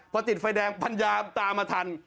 พอติดไฟแดงพันยาตามมาทัน